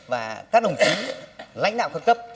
và các đồng chí lãnh đạo cơ cấp